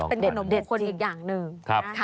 เป็นเดธนมพวควริกอย่างหนึ่ง